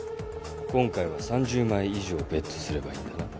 今回は３０枚以上ベットすればいいんだな？